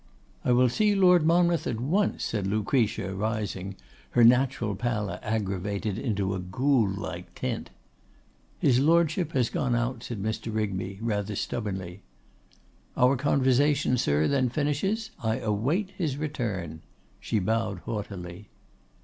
'I will see Lord Monmouth at once,' said Lucretia, rising, her natural pallor aggravated into a ghoul like tint. 'His Lordship has gone out,' said Mr. Rigby, rather stubbornly. 'Our conversation, sir, then finishes; I wait his return.' She bowed haughtily.